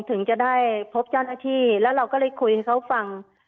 ถึงจะได้พบเจ้าหน้าที่แล้วเราก็เลยคุยให้เขาฟัง